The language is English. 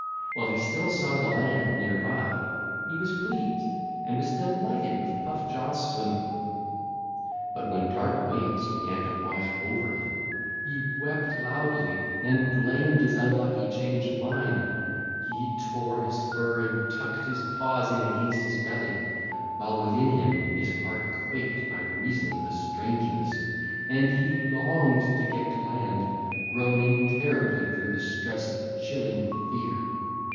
Now at first, while he still saw the land near by, he was pleased, and was delighted with Puff jaw's swimming; but when dark waves began to wash over him, he wept loudly and blamed his unlucky change of mind: he tore his fur and tucked his paws in against his belly, while within him his heart quaked by reason of the strangeness: and he longed to get to land, groaning terribly through the stress of chilling fear.